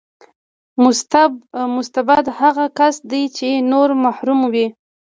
مستبد هغه کس دی چې نور محروموي.